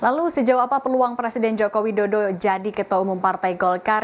lalu sejauh apa peluang presiden joko widodo jadi ketua umum partai golkar